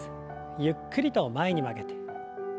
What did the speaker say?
ゆっくりと前に曲げて。